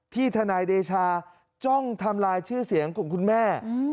ทนายเดชาจ้องทำลายชื่อเสียงของคุณแม่